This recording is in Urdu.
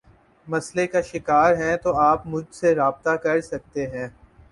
مسلئے کا شکار ہیں تو آپ مجھ سے رابطہ کر سکتے ہیں